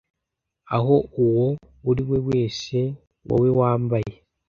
ah uwo uriwe wese wowe wambyaye